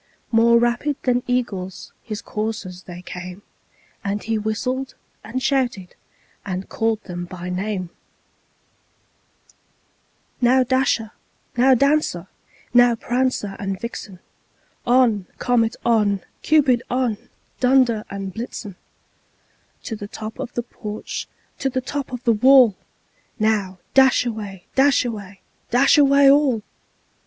More rapid than eagles his coursers they came, And he whistled, and shouted, and called them by name; "Now, Dasher! now, Dancer! now, Prancer and Vixen! On, Comet! on, Cupid! on, Dunder and Blitzen! To the top of the porch! To the top of the wall! Now, dash away! Dash away! Dash away all!"